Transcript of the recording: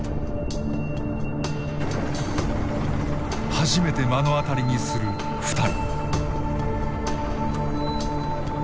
初めて目の当たりにする２人。